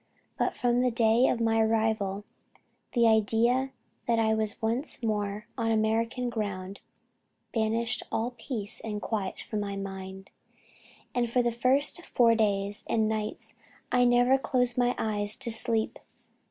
But from the day of my arrival, the idea that I was once more on American ground banished all peace and quiet from my mind, and for the first four days and nights I never closed my eyes to sleep!